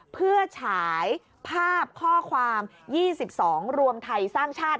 เพื่อฉายภาพข้อความ๒๒รวมไทยสร้างชาติ